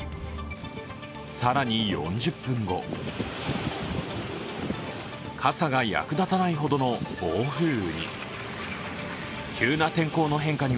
更に４０分後傘が役立たないほどの暴風雨に。